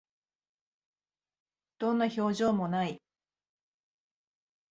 どんな表情も無い